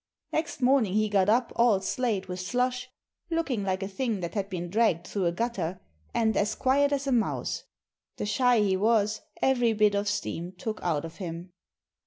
Next morning he got up all slaaed with slush, looking like a thing that had been dragged through a gutter, and as quiet as a mouse the shy he was, every bit of steam took out of him.